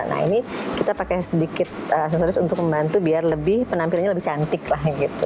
nah ini kita pakai sedikit aksesoris untuk membantu biar lebih penampilannya lebih cantik lah gitu